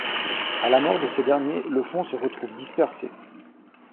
À la mort de ce dernier, le fonds se retrouve dispersé.